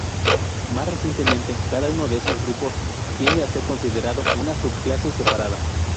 Más recientemente, cada uno de esos grupos tiende a ser considerado una subclase separada.